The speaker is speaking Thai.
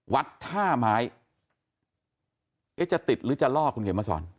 วัดท่าไม้จะติดหรือจะลอกคุณเกมมาสอน